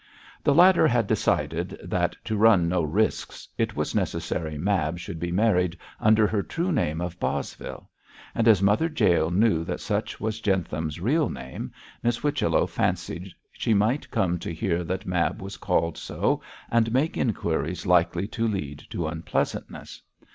The latter had decided that, to run no risks, it was necessary Mab should be married under her true name of Bosvile; and as Mother Jael knew that such was Jentham's real name, Miss Whichello fancied she might come to hear that Mab was called so, and make inquiries likely to lead to unpleasantness.